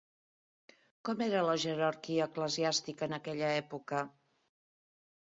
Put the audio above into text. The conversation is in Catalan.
Com era la jerarquia eclesiàstica en aquella època?